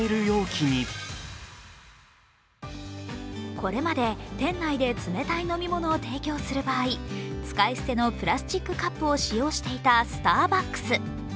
これまで店内で冷たい飲み物を提供する場合、使い捨てのプラスチックカップを使用していたスターバックス。